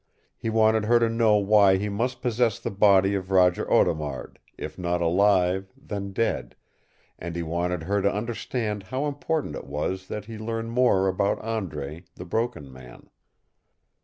He wanted her to know why he must possess the body of Roger Audemard, if not alive, then dead, and he wanted her to understand how important it was that he learn more about Andre, the Broken Man.